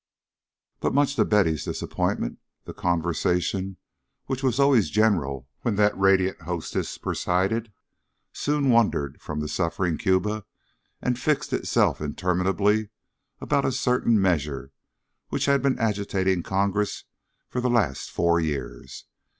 But much to Betty's disappointment the conversation, which was always general when that radiant hostess presided, soon wandered from the suffering Cuban and fixed itself interminably about a certain measure which had been agitating Congress for the last four years.